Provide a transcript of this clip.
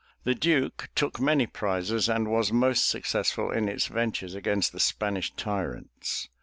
The Duke took many prizes and was most successful in its ventures against the Spanish tyrants.